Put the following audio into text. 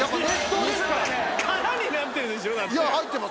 空になってるでしょだって。